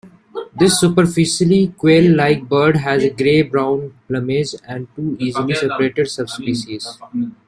This superficially quail-like bird has a grey-brown plumage and two easily separated subspecies.